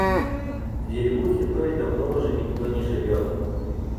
В деревухе той давно уже никто не живёт.